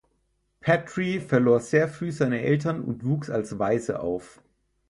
Patry verlor sehr früh seine Eltern und wuchs als Waise auf.